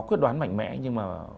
quyết đoán mạnh mẽ nhưng mà